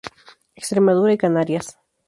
Extremadura, y Canarias.